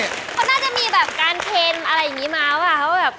ก็น่าจะมีการเทรนด์อะไรอย่างนี้มาว่าว่า